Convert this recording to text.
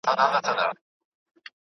زه به سبا ښوونځی ته ځم وم؟!